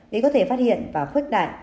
để có thể phát hiện và khuất đại